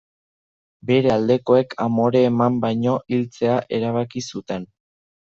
Bere aldekoek amore eman baino hiltzea erabaki zuten.